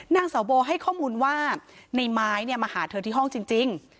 นางสาวโบให้ข้อมูลว่าในไม้มาหาเธอที่ห้องจริง